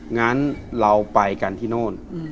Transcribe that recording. งั้นเราไปกันที่โน่น